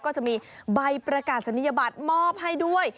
ก็จะมีใบประกาศนียบัตรมอบให้ด้วย